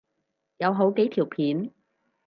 有好幾條片